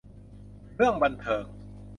เรื่องบันเทิง